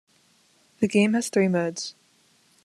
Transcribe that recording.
The game has three modes.